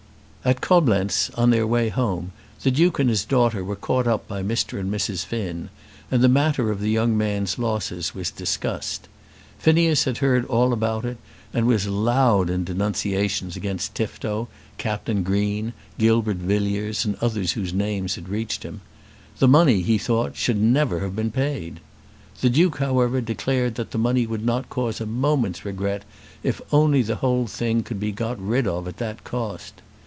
At Coblenz, on their way home, the Duke and his daughter were caught up by Mr. and Mrs. Finn, and the matter of the young man's losses was discussed. Phineas had heard all about it, and was loud in denunciations against Tifto, Captain Green, Gilbert Villiers, and others whose names had reached him. The money, he thought, should never have been paid. The Duke however declared that the money would not cause a moment's regret, if only the whole thing could be got rid of at that cost.